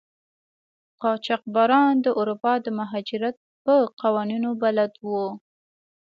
قاچاقبران د اروپا د مهاجرت په قوانینو بلد وو.